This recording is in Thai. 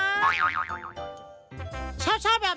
สีสันข่าวชาวไทยรัฐมาแล้วครับ